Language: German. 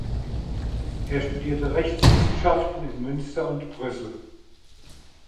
Er studierte Rechtswissenschaften in Münster und Brüssel.